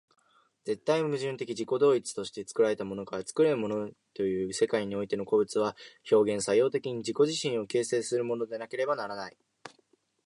絶対矛盾的自己同一として、作られたものから作るものへという世界においての個物は、表現作用的に自己自身を形成するものでなければならない。